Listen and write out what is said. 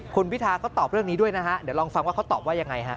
คุณพิทาก็ตอบเรื่องนี้ด้วยนะฮะเดี๋ยวลองฟังว่าเขาตอบว่ายังไงฮะ